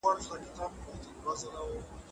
که رحیم غوسه نه وای نو پاڼه به نه خفه کېدله.